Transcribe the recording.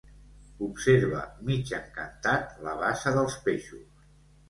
Observa, mig encantat, la bassa dels peixos.